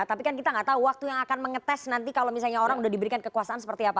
tapi kan kita nggak tahu waktu yang akan mengetes nanti kalau misalnya orang sudah diberikan kekuasaan seperti apa